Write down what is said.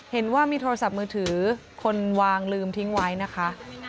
เห็นว่ามีโทรศัพท์มือถือคนวางลืมทิ้งไว้นะคะ